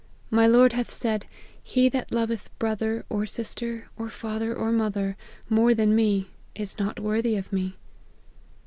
My Lord hath said, He that loveth brother, or sister, or father, or mother, more than me, is not worthy of me.'